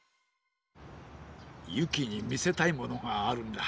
ゆきにみせたいものがあるんだ。